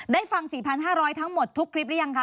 ได้ฟัง๔๕๐๐ทั้งหมดทุกคลิปหรือยังคะ